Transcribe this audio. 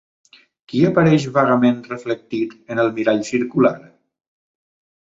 Qui apareix vagament reflectit en el mirall circular?